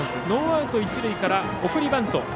ノーアウト、一塁から送りバント。